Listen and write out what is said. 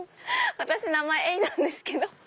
私名前永依なんですけど。